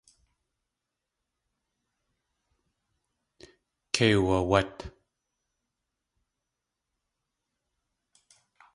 Kei uwawát.